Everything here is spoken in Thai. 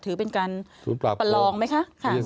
ถือเป็นการประลองไหมคะ